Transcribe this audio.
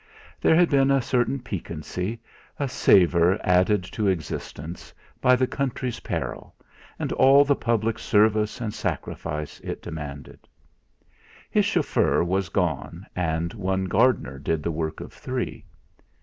There had been a certain piquancy, a savour added to existence, by the country's peril, and all the public service and sacrifice it demanded. His chauffeur was gone, and one gardener did the work of three.